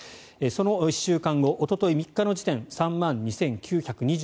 その１週間後おととい３日の時点３万２９２１人１．１倍。